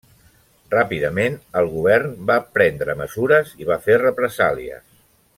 Ràpidament, el govern va prendre mesures i va fer represàlies.